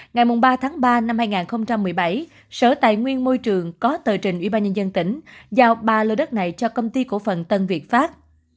ngày ba tháng ba năm hai nghìn một mươi bảy sở tài nguyên môi trường có tờ trình ủy ban nhân dân tỉnh giao ba lộ đất này cho công ty cổ phần tân việt pháp